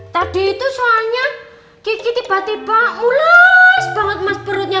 tadi itu soalnya gigi tiba tiba ules banget mas perutnya